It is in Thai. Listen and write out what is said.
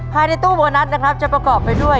ภายในตู้โบนัสนะครับจะประกอบไปด้วย